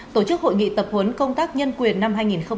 tổ chức hội nghị tập huấn công tác nhân quyền năm hai nghìn hai mươi